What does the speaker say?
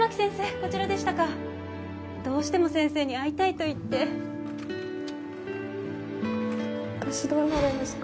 こちらでしたかどうしても先生に会いたいといって私どうなるんですか？